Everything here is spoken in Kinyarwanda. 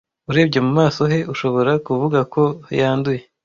Urebye mu maso he, ushobora kuvuga ko yanduye.